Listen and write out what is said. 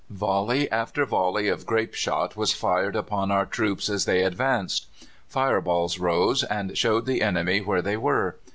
] Volley after volley of grape shot was fired upon our troops as they advanced; fire balls rose, and showed the enemy where they were.